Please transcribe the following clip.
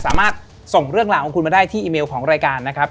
สามารถส่งเรื่องราวของคุณมาได้ที่อีเมลของรายการนะครับ